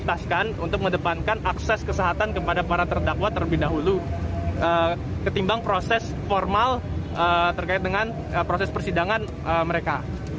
kita haruskan untuk mengedepankan akses kesehatan kepada para terdakwa terlebih dahulu ketimbang proses formal terkait dengan proses persidangan mereka